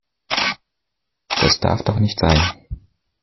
Das darf doch nicht sein.